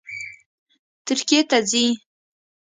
ترکیې ته ځي